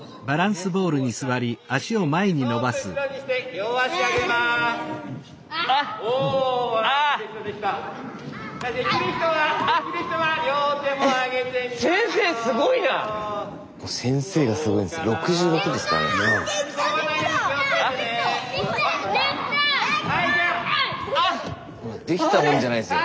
スタジオできたもんじゃないですよ。